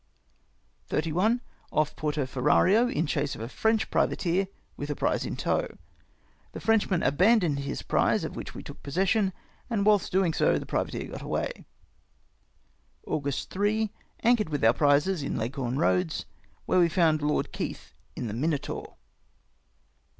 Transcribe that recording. — Off Porto Ferraio in chase of a French privateer, with a prize in tow. The Frenchman abandoned his prize, of which we took possession, and whilst so doing the privateer got away. '' August 3. — Anchored with our prizes in Leghorn Eoads, where we found Lord Keith in the Minotaur.'"